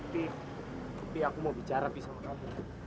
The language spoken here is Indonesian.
pi pi aku mau bicara pi sama kamu